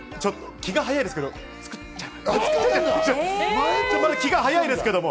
気が早いですけど作っちゃいました。